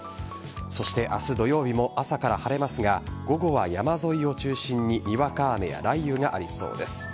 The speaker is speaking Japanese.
そして明日土曜日も朝から晴れますが午後は山沿いを中心ににわか雨や雷雨がありそうです。